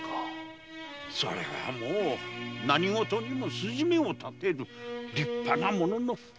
それはもう何ごとにも筋目を立てる立派な武士。